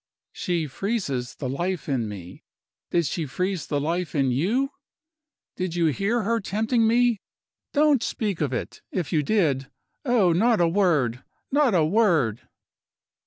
She freezes the life in me. Did she freeze the life in you? Did you hear her tempting me? Don't speak of it, if you did. Oh, not a word! not a word!"